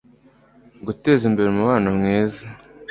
guteza imbere umubano mwiza